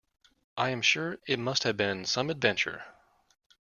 I am sure it must have been some adventure.